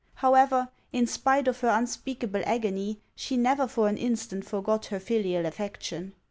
However, in spite of her unspeakable agony, she never HANS OF ICELAND. 409 lor an iustaut forgot her filial affection.